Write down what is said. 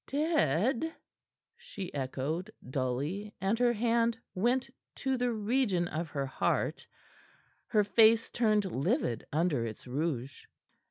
"Dead?" she echoed dully, and her hand went to the region of her heart, her face turned livid under its rouge.